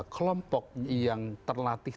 kelompok yang terlatih